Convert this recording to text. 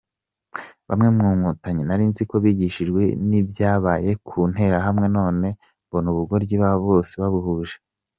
Bamwe mu nkotanyi narinziko bigishijwe nibyabaye ku nterahamwe none mbona ubugoryi bose babuhuje.